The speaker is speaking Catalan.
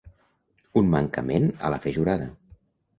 Un mancament a la fe jurada.